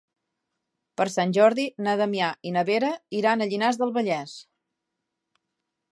Per Sant Jordi na Damià i na Vera iran a Llinars del Vallès.